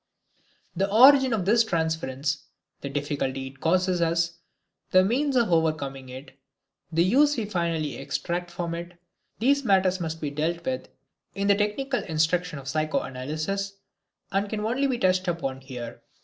The origin of this transference, the difficulties it causes us, the means of overcoming it, the use we finally extract from it these matters must be dealt with in the technical instruction of psychoanalysis, and can only be touched upon here.